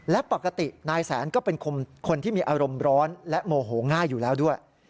และปกตินายแสนก็เป็นคนที่มีอารมณ์ร้อนและโมโหง่ายอยู่แล้วด้วย